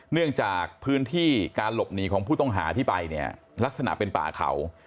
เนื่องจากพื้นที่การหลบหนีของผู้ต้องหาที่ไปเนี่ยลักษณะเป็นป่าเขา